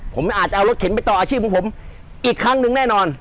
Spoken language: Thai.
ผมอาจจะเอารถเข็นไปต่ออาชีพของผมอีกครั้งหนึ่งแน่นอน